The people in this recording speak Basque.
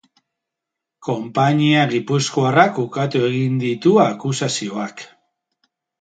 Konpainia gipuzkoarrak ukatu egin ditu akusazioak.